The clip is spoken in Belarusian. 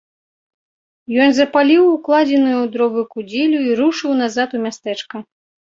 Ён запаліў укладзеную ў дровы кудзелю і рушыў назад у мястэчка.